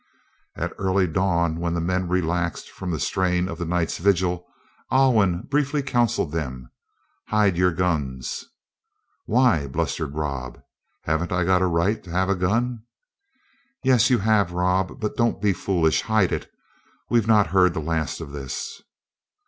At early dawn, when the men relaxed from the strain of the night's vigil, Alwyn briefly counselled them: "Hide your guns." "Why?" blustered Rob. "Haven't I a right to have a gun?" "Yes, you have, Rob; but don't be foolish hide it. We've not heard the last of this."